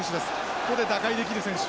ここで打開できる選手。